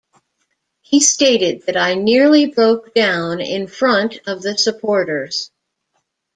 He stated that I nearly broke down in front of the supporters.